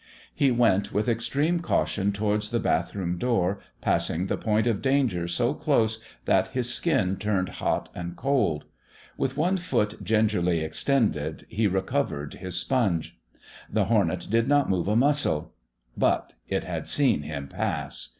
He went with extreme caution towards the bathroom door, passing the point of danger so close that his skin turned hot and cold. With one foot gingerly extended, he recovered his sponge. The hornet did not move a muscle. But it had seen him pass.